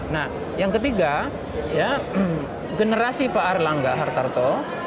nah yang ketiga ya generasi pak erlangga hartarto